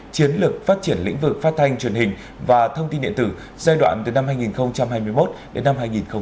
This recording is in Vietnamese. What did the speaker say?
chiến lược phát triển lĩnh vực phát thanh truyền hình và thông tin điện tử giai đoạn từ năm hai nghìn hai mươi một đến năm hai nghìn ba mươi